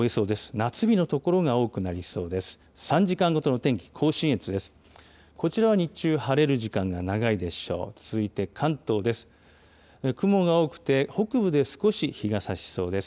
夏日の所が多くなりそうです。